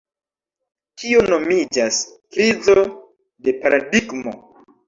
Tio nomiĝas "krizo de paradigmo".